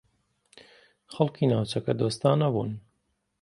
خەڵکی ناوچەکە دۆستانە بوون.